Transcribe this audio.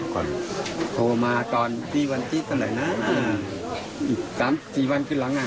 โทรมาตอนที่วันที่เท่าไหร่นะอีก๓๔วันขึ้นหลัง